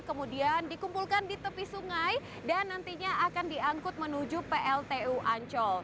kemudian dikumpulkan di tepi sungai dan nantinya akan diangkut menuju pltu ancol